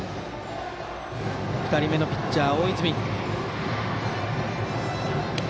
２人目のピッチャー大泉。